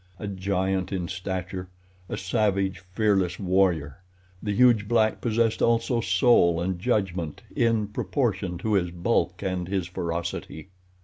A giant in stature, a savage, fearless warrior, the huge black possessed also soul and judgment in proportion to his bulk and his ferocity.